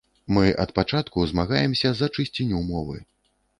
Мы ад пачатку змагаемся за чысціню мовы.